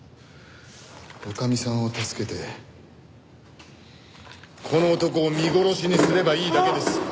女将さんを助けてこの男を見殺しにすればいいだけです。